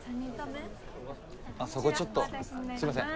あっそこちょっとすみません。